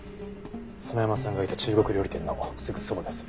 園山さんがいた中国料理店のすぐそばです。